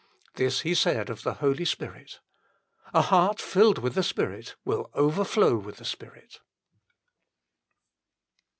1 This he said of the Holy Spirit. A heart filled with the Spirit will overflow with the Spirit.